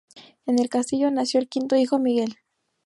En el castillo nació el quinto hijo Miguel.